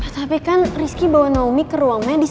tapi kan rizky bawa naomi ke ruang medis